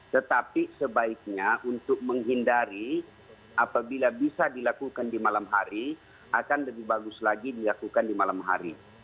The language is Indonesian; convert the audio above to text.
tetapi sebaiknya untuk menghindari apabila bisa dilakukan di malam hari akan lebih bagus lagi dilakukan di malam hari